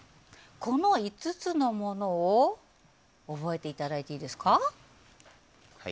この５つのものを覚えていただいていいでしょうか。